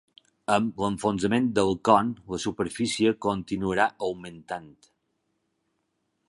Amb l’enfonsament del con, la superfície continuarà augmentant.